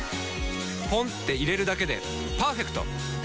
ポンって入れるだけでパーフェクト！